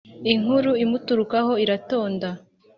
inkuru imuturuka ho irantonda